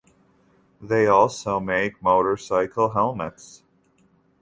They also make motorcycle helmets.